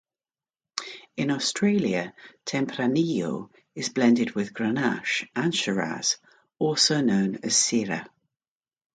In Australia, Tempranillo is blended with Grenache and Shiraz, also known as Syrah.